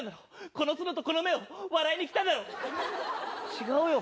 この角とこの目を笑いに来たんだ違うよ。